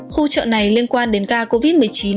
khu chợ này liên quan đến ca covid một mươi chín